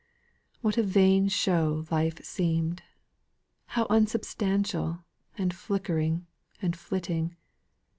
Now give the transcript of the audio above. What a vain show Life seemed! How unsubstantial, and flickering, and flitting!